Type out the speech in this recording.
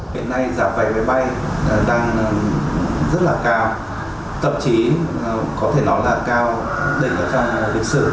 hiện nay giá vé máy bay đang rất là cao tậm chí có thể nói là cao đỉnh giá trong lịch sử